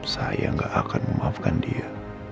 saya gak akan memaafkan dia